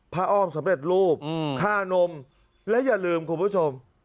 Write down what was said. อ้อมสำเร็จรูปค่านมและอย่าลืมคุณผู้ชม